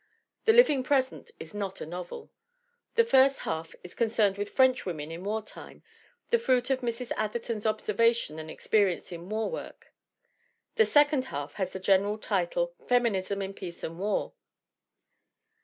The Living Present is not a novel. The first half is con 52 THE WOMEN WHO MAKE OUR NOVELS cerned with French women in war time, the fruit of Mrs. Atherton's observations and experience in war work; the second half has the general title Feminism in Peace and War.